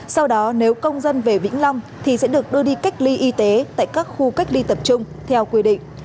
sau đó nếu công dân về vĩnh long thì sẽ được đưa đi cách ly y tế tại các khu cách ly tập trung theo quy định